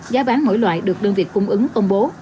giá bán mỗi loại được đơn vị cung ứng công bố